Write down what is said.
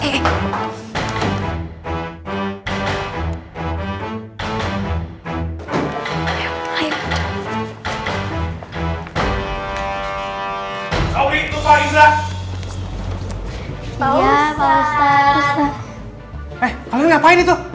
eh kalian ngapain itu